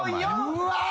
うわ！